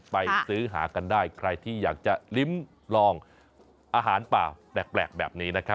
ไปซื้อหากันได้ใครที่อยากจะลิ้มลองอาหารป่าแปลกแบบนี้นะครับ